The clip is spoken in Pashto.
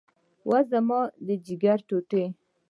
اوه زما د ځيګر ټوټې.